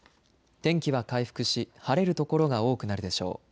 天気は回復し晴れる所が多くなるでしょう。